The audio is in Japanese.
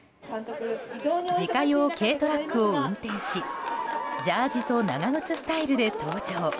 自家用軽トラックを運転しジャージーと長靴スタイルで登場。